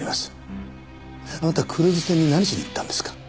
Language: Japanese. あなたはクルーズ船に何しに行ったんですか？